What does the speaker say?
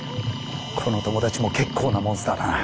この友達も結構なモンスターだな。